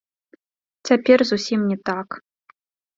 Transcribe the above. Цяпер зусім не так.